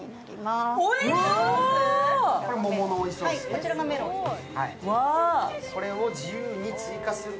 こちらはメロンで。